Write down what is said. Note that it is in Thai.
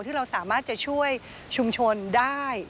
ที่เราสามารถจะช่วยชุมชนได้